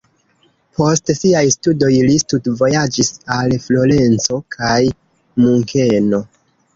Post siaj studoj li studvojaĝis al Florenco kaj Munkeno.